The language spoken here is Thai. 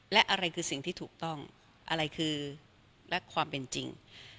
และอะไรคือสิ่งที่ถูกต้องอะไรคือและความเป็นจริง